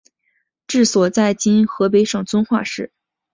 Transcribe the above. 治所在今河北省遵化市。